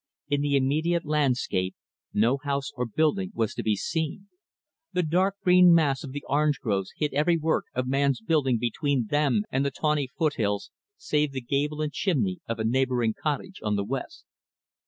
In the immediate landscape, no house or building was to be seen. The dark green mass of the orange groves hid every work of man's building between them and the tawny foothills save the gable and chimney of a neighboring cottage on the west.